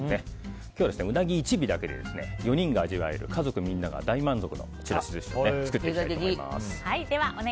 今日はウナギ１尾だけで４人が味わえる家族みんなが大満足のちらし寿司を作っていきたいと思います。